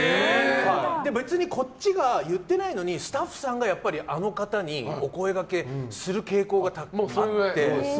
別にこっちが言ってないのにスタッフさんがやっぱりあの方にお声がけする傾向があって。